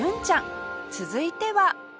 続いては